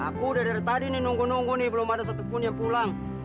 aku udah dari tadi nih nunggu nunggu nih belum ada satupun yang pulang